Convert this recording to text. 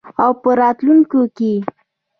او په راتلونکي کې.